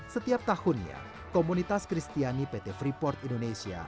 setiap tahunnya komunitas kristiani pt freeport indonesia